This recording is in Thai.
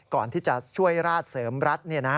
ก่อนที่จะช่วยราชเสริมรัฐ